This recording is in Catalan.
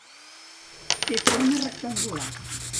Té forma rectangular.